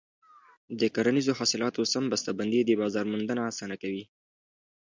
د کرنیزو حاصلاتو سم بسته بندي د بازار موندنه اسانه کوي.